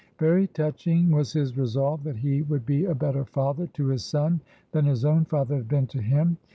Very touching was his resolve that he would be a better father to his son than his own father had been to him.